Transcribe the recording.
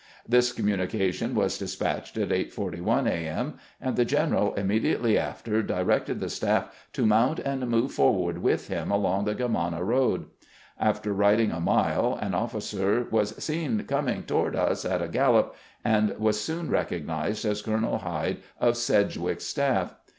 This com munication was despatched at 8 : 41 A. m., and the general immediately after directed the staff to mount and move forward with him along the Germanna road. After rid ing a mile, an officer was seen coming toward us at a gallop, and was soon recognized as Colonel Hyde of Sedgwick's staff.